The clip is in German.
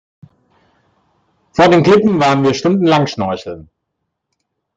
Vor den Klippen waren wir stundenlang schnorcheln.